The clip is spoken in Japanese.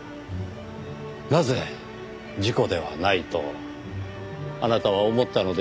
なぜ事故ではないとあなたは思ったのでしょう？